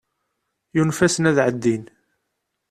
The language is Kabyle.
Yunef-asen ad ɛeddin.